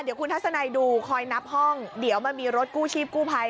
เดี๋ยวคุณทัศนัยดูคอยนับห้องเดี๋ยวมันมีรถกู้ชีพกู้ภัย